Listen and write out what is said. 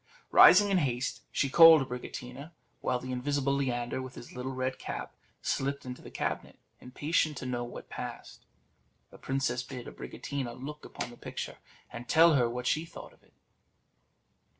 Rising in haste, she called Abricotina, while the invisible Leander, with his little red cap, slipped into the cabinet, impatient to know what passed. The princess bid Abricotina look upon the picture, and tell her what she thought of it.